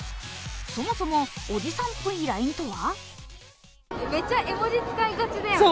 そもそも、おじさんっぽいＬＩＮＥとは？